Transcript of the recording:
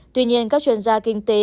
tuy nhiên các chuyên gia kinh tế